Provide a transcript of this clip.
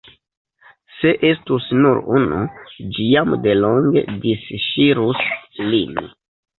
Se estus nur unu, ĝi jam delonge disŝirus lin.